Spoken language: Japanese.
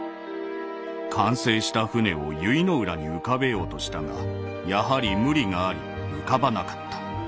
「完成した船を由比浦に浮かべようとしたがやはり無理があり浮かばなかった。